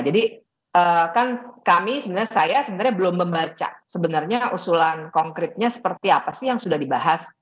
kan kami sebenarnya saya sebenarnya belum membaca sebenarnya usulan konkretnya seperti apa sih yang sudah dibahas